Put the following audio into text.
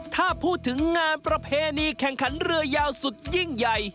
ถ้าพูดถึงงานประเพณีแข่งขันเรือยาวสุดยิ่งใหญ่